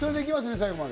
最後まで。